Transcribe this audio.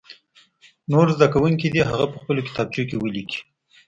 نور زده کوونکي دې هغه په خپلو کتابچو کې ولیکي.